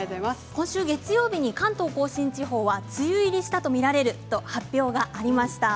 今週月曜日に関東甲信地方は梅雨入りしたと考えられると発表がありました。